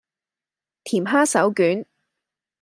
甜蝦手卷